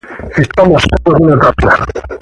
Está más sordo que una tapia